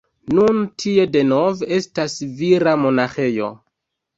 Nun tie denove estas vira monaĥejo.